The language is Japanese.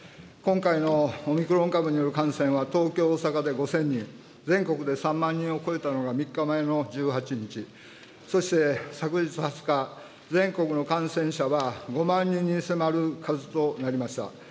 今回のオミクロン株による感染は、東京、大阪で５０００人、全国で３万人を超えたのが３日前の１８日、そして昨日２０日、全国の感染者は５万人に迫る数となりました。